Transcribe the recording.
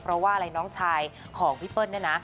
เพราะว่าอะไรน้องชายของพี่เปิ้ลเนี่ยนะ